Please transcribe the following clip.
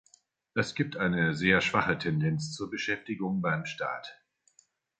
Es gibt eine sehr schwache Tendenz zur Beschäftigung beim Staat.